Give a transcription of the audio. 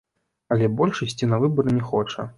Але больш ісці на выбары не хоча.